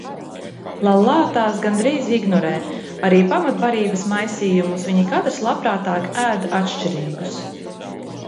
Lallā tās gandrīz ignorē. arī pamatbarības maisījumus viņi katrs labprātāk ēd atšķirīgus.